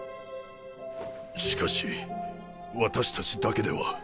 しかし私たちだけでは。